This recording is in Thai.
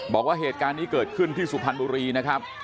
บอกว่าเหตุการณ์นี้เกิดขึ้นที่สุพรรณบุรีนะครับ